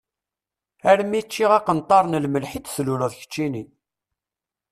Armi ččiɣ aqenṭar n lmelḥ i d-tluleḍ keččini.